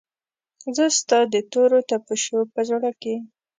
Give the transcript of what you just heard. زه ستا دتوروتپوشپوپه زړه کې